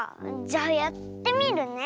じゃあやってみるね。